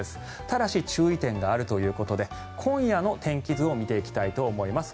ただし注意点があるということで今夜の天気図を見ていきたいと思います。